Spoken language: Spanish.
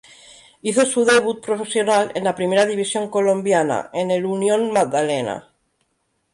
Hizo su debut profesional en la primera división colombiana en el Unión Magdalena.